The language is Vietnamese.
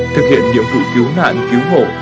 thực hiện nhiệm vụ cứu nạn cứu hộ